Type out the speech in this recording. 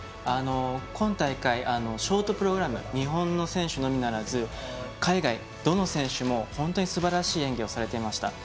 今大会ショートプログラム日本の選手のみならず海外、どの選手も本当にすばらしい演技をされていました。